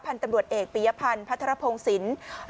พันธุ์ตำรวจเอกปียพันธุ์พัฒนภพงศิลป์